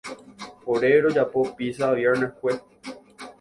Ore rojapo pizza vierneskue.